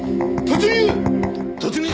突入！